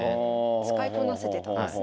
使いこなせてたんですね。